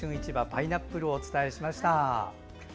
パイナップルお伝えしました。